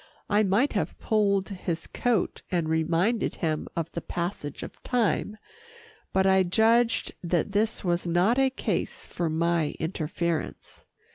I might have pulled his coat and reminded him of the passage of time, but I judged that this was not a case for my interference.